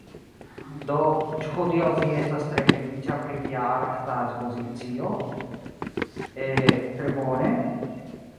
Do, ĉu hodiaŭ vi estas tre feliĉa pri via arta ekspozicio? eh... tre bone?